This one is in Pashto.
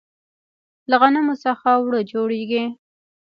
له غنمو څخه اوړه جوړیږي.